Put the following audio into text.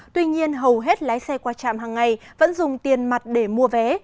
tuy nhiên hầu hết lái xe qua trạm hằng ngày vẫn dùng tiền mặt để mua vé